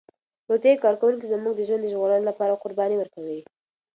روغتیايي کارکوونکي زموږ د ژوند د ژغورلو لپاره قرباني ورکوي.